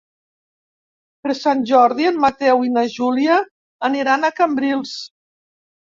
Per Sant Jordi en Mateu i na Júlia aniran a Cambrils.